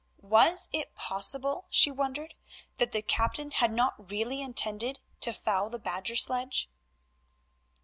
Was it possible, she wondered, that the captain had not really intended to foul the Badger sledge?